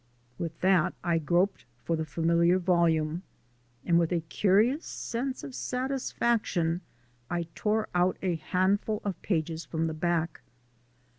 With that I groped for the familiar volume, and with a curious sensation of satisfaction I tore out a handful of pages from the back.